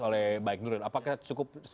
oleh baik nuril apakah cukup